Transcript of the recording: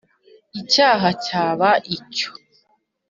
icyaha cyaba icyo.